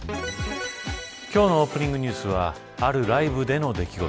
今日のオープニングニュースはあるライブでの出来事。